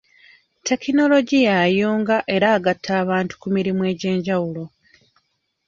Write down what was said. Tekinologiya ayunga era agata abantu ku mirimu egy'enjawulo.